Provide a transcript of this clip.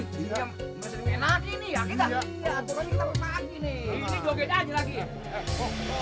masih menang lagi nih ya kita